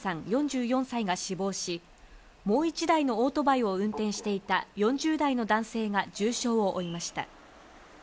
４４歳が死亡し、もう１台のオートバイを運転していた４０代の男性が重傷を負いました。